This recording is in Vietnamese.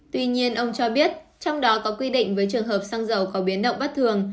tuy nhiên ông cho biết trong đó có quy định với trường hợp xăng dầu có biến động bất thường